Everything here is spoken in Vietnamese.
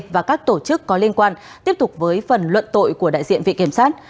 và các tổ chức có liên quan tiếp tục với phần luận tội của đại diện vị kiểm sát